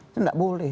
itu gak boleh